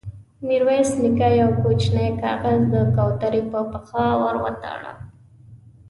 ميرويس نيکه يو کوچينۍ کاغذ د کوترې پر پښه ور وتاړه.